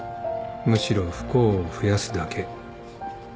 むしろ不幸を増やすだけ。